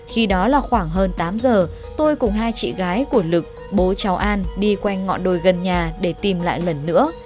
khi đó là khoảng hơn tám giờ tôi cùng hai chị gái của lực bố cháu an đi quanh ngọn đồi gần nhà để tìm lại lần nữa